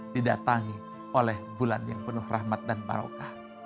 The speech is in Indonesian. didatangi oleh bulan yang penuh rahmat dan barokah